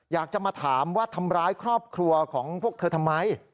อยากจะมาถามว่าทำร้ายครอบครัวของพวกเธอทำไม